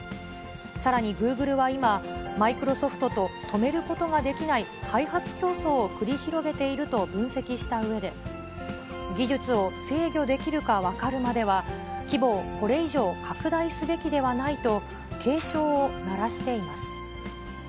さらにグーグルは今、マイクロソフトと止めることはできない開発競争を繰り広げていると分析したうえで、技術を制御できるか分かるまでは、規模をこれ以上拡大すべきではないと、警鐘を鳴らしています。